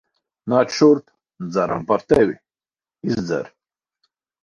Nāc šurp. Dzeram par tevi. Izdzer.